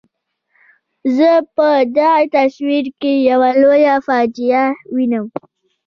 زه په دغه تصویر کې یوه لویه فاجعه وینم.